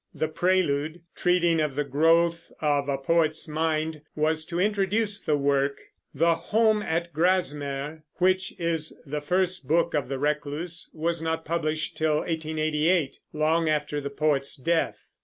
The Prelude, treating of the growth of a poet's mind, was to introduce the work. The Home at Grasmere, which is the first book of The Recluse, was not published till 1888, long after the poet's death.